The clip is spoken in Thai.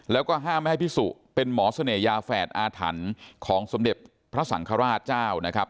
แล้วก็ห้ามไม่ให้พิสุเป็นหมอเสน่หยาแฝดอาถรรพ์ของสมเด็จพระสังฆราชเจ้านะครับ